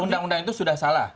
undang undang itu sudah salah